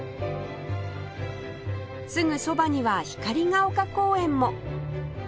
すぐそばには光が丘公園も